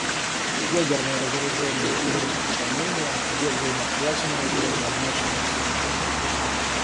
Ядерное разоружение и нераспространение — две взаимосвязанные и равнозначные цели.